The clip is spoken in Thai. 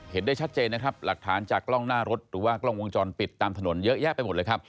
ได้ชัดเจนนะครับหลักฐานจากกล้องหน้ารถหรือว่ากล้องวงจรปิดตามถนนเยอะแยะไปหมดเลยครับ